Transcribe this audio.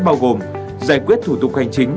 bao gồm giải quyết thủ tục hành chính